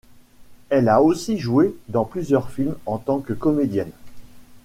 Elle a aussi joué dans plusieurs films en tant que comédienne.